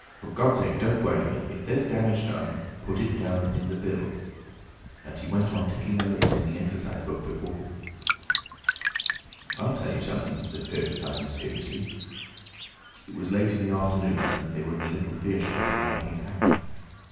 "For God's sake don't worry me. If there's damage done, put it down in the bill," and he went on ticking a list in the exercise book before him. "I'll tell you something," said Fearenside, mysteriously. It was late in the afternoon, and they were in the little beer shop of Iping Hanger.